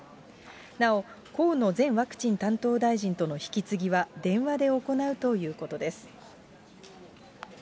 なお、河野前ワクチン担当大臣との引き継ぎは電話で行うということです。